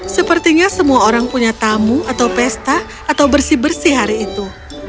sepertinya semua orang punya tamu atau pesta atau bersih bersih hari itu